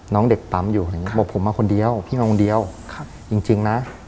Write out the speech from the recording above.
น้องเด็กปั๊มอยู่ครับบอกผมมาคนเดียวพี่น้องคนเดียวครับจริงจริงนะ